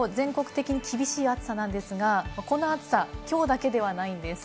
きょう全国的に厳しい暑さなんですが、この暑さ、きょうだけではないんです。